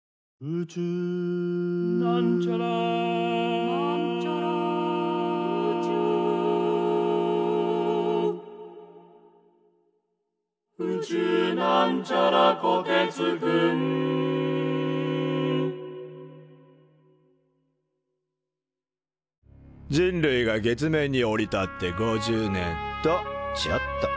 「宇宙」人類が月面に降り立って５０年。とちょっと！